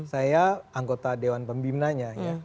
saya anggota dewan pembimnanya